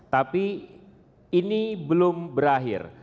tapi ini belum berakhir